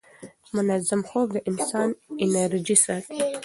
منظم خوب د انسان انرژي ساتي.